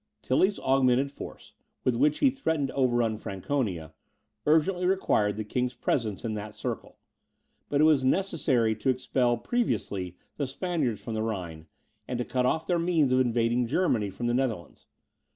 Tilly's augmented force, with which he threatened to overrun Franconia, urgently required the king's presence in that circle; but it was necessary to expel previously the Spaniards from the Rhine, and to cut off their means of invading Germany from the Netherlands.